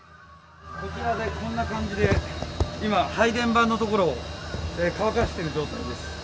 こちらでこんな感じで今、配電盤の所を乾かしている状態です。